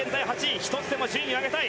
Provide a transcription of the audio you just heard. １つでも順位を上げたい。